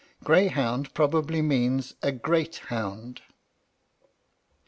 "Greyhound" probably means a "great hound."